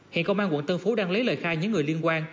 hiện công an quận tân phú đang lấy lời khai những người liên quan